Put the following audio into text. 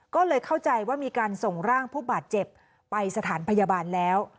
ก็เลยเข้าใจว่ามีการส่งร่างผู้บาดเจ็บไปสถานพยาบาลแล้ว